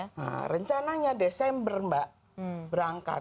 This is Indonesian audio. nah rencananya desember mbak berangkat